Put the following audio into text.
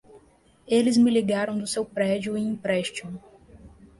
Eles me ligaram do seu prédio e empréstimo.